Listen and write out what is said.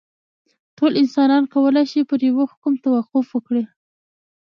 ټول انسانان کولای شي پر یوه حکم توافق وکړي.